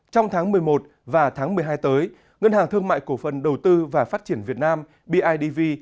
trong tháng một mươi một và tháng một mươi hai tới ngân hàng thương mại cổ phần đầu tư và phát triển việt nam bidv